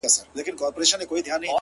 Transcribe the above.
• ځكه چي دا خو د تقدير فيصله ـ